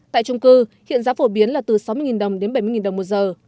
tại trung cư hiện giá phổ biến là từ sáu mươi đồng đến bảy mươi đồng một giờ